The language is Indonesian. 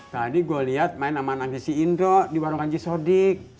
tadi gue lihat main amanah si indro di warung kanji sodik